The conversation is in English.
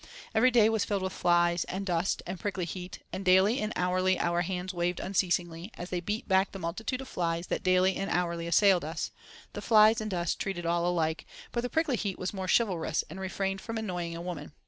Every day was filled with flies, and dust, and prickly heat, and daily and hourly our hands waved unceasingly, as they beat back the multitude of flies that daily and hourly assailed us—the flies and dust treated all alike, but the prickly heat was more chivalrous, and refrained from annoying a woman.